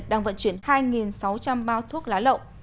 đang vận chuyển hai sáu trăm linh bao thuốc lá lậu